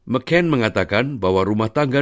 mccann mengatakan bahwa rumah tangga